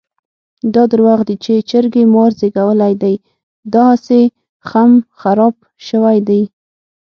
دا درواغ دي چې چرګې مار زېږولی دی؛ داهسې خم خراپ شوی دی.